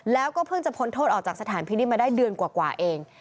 แล้วก็เพิ่งจะพ้นโทษออกจากสถานพินิษฐมาได้เดือนกว่าเอง